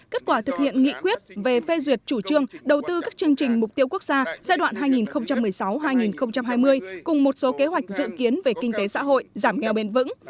kết quả thực hiện nghị quyết về phê duyệt chủ trương đầu tư các chương trình mục tiêu quốc gia giai đoạn hai nghìn một mươi sáu hai nghìn hai mươi cùng một số kế hoạch dự kiến về kinh tế xã hội giảm nghèo bền vững